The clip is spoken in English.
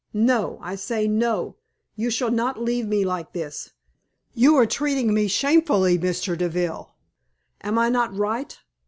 "No! I say no! You shall not leave me like this! You are treating me shamefully, Mr. Deville. Am I not right?